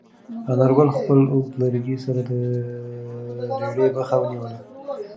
انارګل په خپل اوږد لرګي سره د رېړې مخه ونیوله.